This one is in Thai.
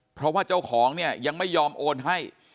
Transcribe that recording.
เพราะว่าเจ้าของเนี่ยยังไม่ยอมโอนให้